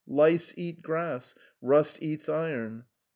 Grubs eat grass, rust eats iron.